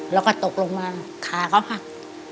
แล้วก็ตกลงมาขาเขาหัก